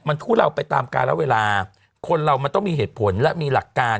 มันทุเลาไปตามการเวลาคนเรามันต้องมีเหตุผลและมีหลักการ